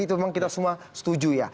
itu memang kita semua setuju ya